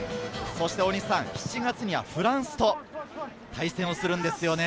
そして７月にはフランスと対戦をするんですよね。